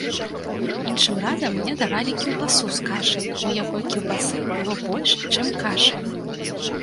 Іншым разам мне давалі кілбасу з кашай, у якой кілбасы было больш, чым кашы.